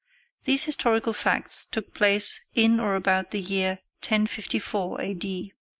These historical facts took place in or about the year 1054 A.